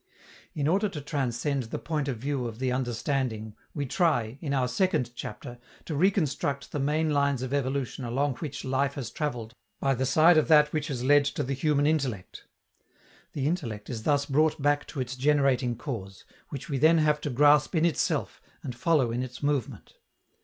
In order to transcend the point of view of the understanding, we try, in our second chapter, to reconstruct the main lines of evolution along which life has traveled by the side of that which has led to the human intellect. The intellect is thus brought back to its generating cause, which we then have to grasp in itself and follow in its movement.